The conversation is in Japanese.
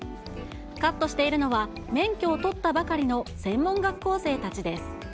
カットしているのは、免許を取ったばかりの専門学校生たちです。